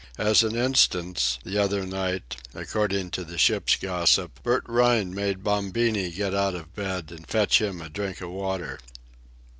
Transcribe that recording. As an instance, the other night, according to the ship's gossip, Bert Rhine made Bombini get out of bed and fetch him a drink of water.